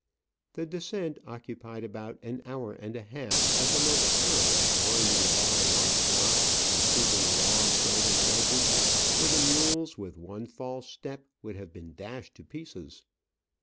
The descent occupied about an hour and a half of the most perilous winding about amongst rocks, and creeping along shelving ledges, where the mules, with one false step, would have been dashed to pieces.